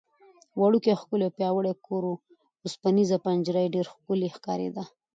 وړوکی، ښکلی او پیاوړی کور و، اوسپنېزه پنجره یې ډېره ښکلې ښکارېده.